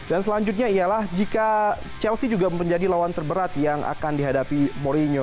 dan selanjutnya ialah jika chelsea juga menjadi lawan terberat yang akan dihadapi mourinho